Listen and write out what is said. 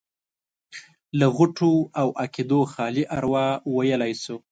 له غوټو او عقدو خالي اروا ويلی شو.